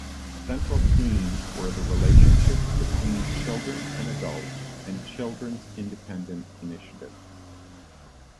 Central themes were the relationships between children and adults and children's independent initiative.